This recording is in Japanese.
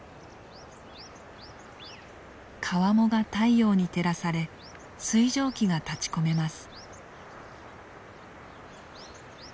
川面が太陽に照らされ水蒸気が立ちこめます。